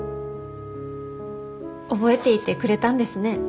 覚えていてくれたんですね